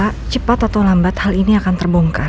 kjepat atau lambat hal ini akan terbongkar